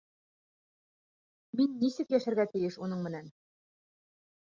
Мин нисек йәшәргә тейеш уның менән?